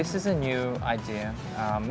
ini adalah ide baru